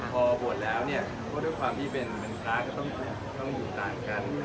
พอบวชแล้วเนี่ยก็ด้วยความที่เป็นพระก็ต้องอยู่ต่างกัน